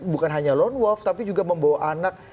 bukan hanya lone wolf tapi juga membawa anak